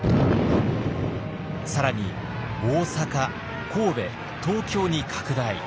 更に大阪神戸東京に拡大。